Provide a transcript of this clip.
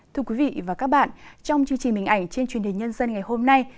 thưa quý vị và các bạn trong chương trình hình ảnh trên truyền hình nhân dân ngày hôm nay